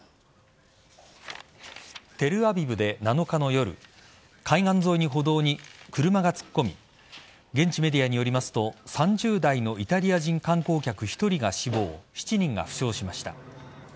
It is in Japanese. テルアビブで７日の夜海岸沿いの歩道に車が突っ込み現地メディアによりますと３０代のイタリア人観光客１人が死亡７人が負傷しました。